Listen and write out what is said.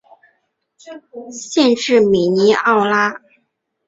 县治米尼奥拉。